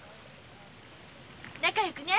仲良くね。